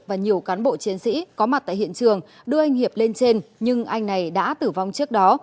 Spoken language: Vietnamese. và nhiều cán bộ chiến sĩ có mặt tại hiện trường đưa anh hiệp lên trên nhưng anh này đã tử vong trước đó